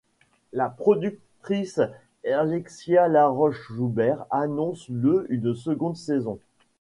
La productrice Alexia Laroche-Joubert annonce le une seconde saison.